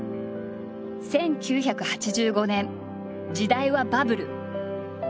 １９８５年時代はバブル。